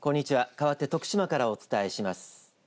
かわって徳島からお伝えします。